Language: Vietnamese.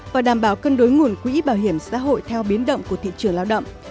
và đảm bảo cân đối nguồn quỹ bảo hiểm xã hội theo biến động của thị trường lao động